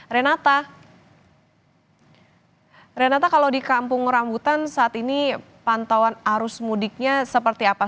renata renata kalau di kampung rambutan saat ini pantauan arus mudiknya seperti apa